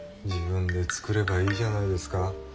自分で作ればいいじゃないですか。